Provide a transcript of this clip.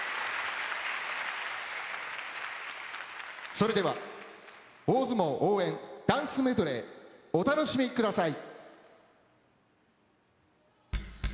それでは、大相撲応援ダンスメドレー、お楽しみください。